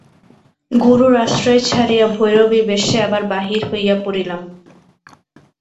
গুরুর আশ্রয় ছাড়িয়া ভৈরবীবেশে আবার বাহির হইয়া পড়িলাম।